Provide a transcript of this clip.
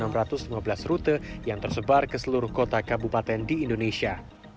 dan enam enam ratus lima belas rute yang tersebar ke seluruh kota kabupaten di indonesia